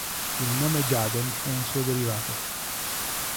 Il nome Jaden è un suo derivato.